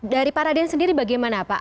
dari paradigmen sendiri bagaimana pak